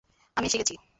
আমি এসে গেছি!